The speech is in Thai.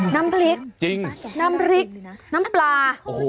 น้ำพริกน้ำพริกน้ำปลา